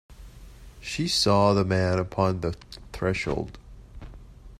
She saw the men upon the threshold.